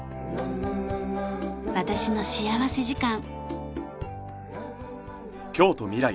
『私の幸福時間』。